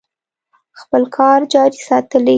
خپل کار جاري ساتلی و.